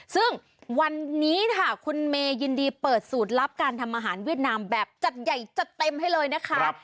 ซึ่งวันนี้ค่ะคุณเมยินดีเปิดสูตรลับการทำอาหารเวียดนามแบบจัดใหญ่จัดเต็มให้เลยนะคะ